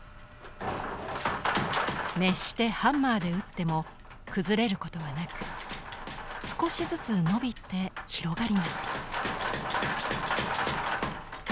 熱してハンマーで打っても崩れることはなく少しずつのびて広がります。